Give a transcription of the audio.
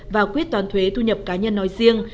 và quyết toán thuế thu nhập cá nhân nói riêng